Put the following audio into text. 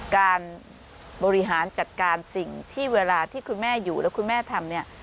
การบริหารจัดการสิ่งที่เวลาที่คุณแม่อยู่แล้วคุณแม่ทำเนี่ย